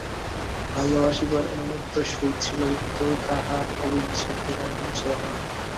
ভালোবাসিবার উন্মত্ত সুখ ছিল, কিন্তু তাহার অবিচ্ছেদ্য বন্ধন ছিল না।